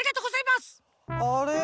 あれ？